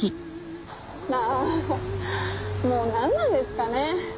ああもうなんなんですかね。